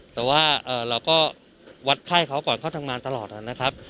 แต่ว่าเราก็วัดไข้เขาก่อนเขาทำงานตลอดนะครับ